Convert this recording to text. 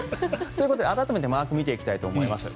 ということで改めてマークで見ていきたいと思います。